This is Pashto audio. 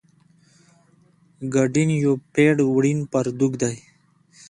ګډین یو پېړ وړین پرتوګ دی.